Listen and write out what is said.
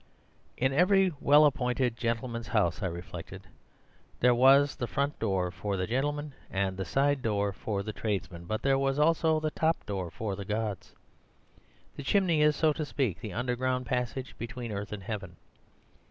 "In every well appointed gentleman's house, I reflected, there was the front door for the gentlemen, and the side door for the tradesmen; but there was also the top door for the gods. The chimney is, so to speak, the underground passage between earth and heaven.